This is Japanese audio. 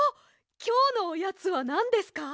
きょうのおやつはなんですか？